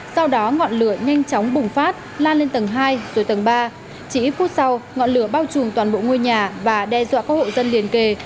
sau đó ngọn lửa nhanh chóng bùng phát lan lên tầng hai rồi tầng ba chỉ ít phút sau ngọn lửa bao trùm toàn bộ ngôi nhà và đe dọa các hộ dân liền kề